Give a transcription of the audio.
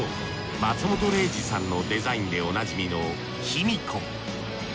松本零士さんのデザインでおなじみのヒミコ。